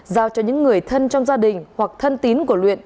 giao cho những người thân trong gia đình hoặc thân tín của luyện